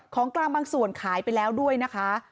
ของกลางบางส่วนขายไปแล้วด้วยนะคะ